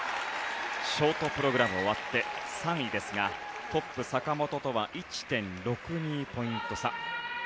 ショートプログラム終わって３位ですがトップ、坂本とは１．６２ポイント差。